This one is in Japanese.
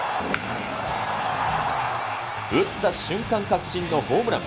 打った瞬間確信のホームラン。